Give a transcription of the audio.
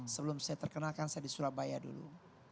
sebelum saya terkenalkan saya di surabaya dulu